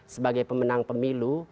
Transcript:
sebagai pemenang pemilu